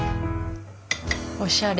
おしゃれ。